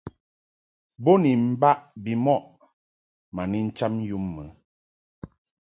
Bo ni mbaʼ bimɔʼ ma ni ncham yum mɨ.